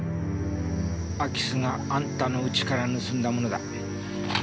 空き巣があんたの家から盗んだものだ。